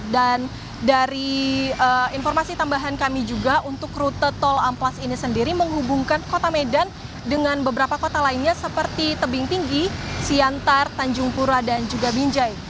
dan dari informasi tambahan kami juga untuk rute tol amplas ini sendiri menghubungkan kota medan dengan beberapa kota lainnya seperti tebing tinggi siantar tanjung pura dan juga binjai